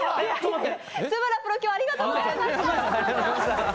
津村プロ、ありがとうございました。